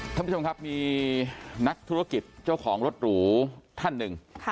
ท่านผู้ชมครับมีนักธุรกิจเจ้าของรถหรูท่านหนึ่ง